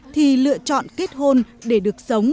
thì lựa chọn kết hôn để được sống với bạn khác